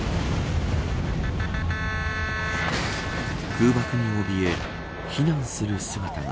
空爆におびえ避難する姿が。